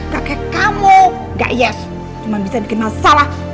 kakek kamu gak yes cuma bisa bikin masalah